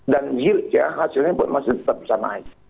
dan yield ya hasilnya masih tetap bisa naik